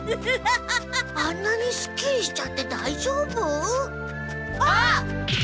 あんなにすっきりしちゃってだいじょうぶ？あっ！？